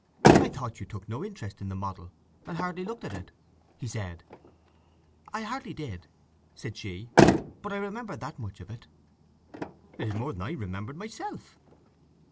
"I thought you took no interest in the model, and hardly looked at it?" he said. "I hardly did," said she, "but I remembered that much of it." "It is more than I had remembered myself."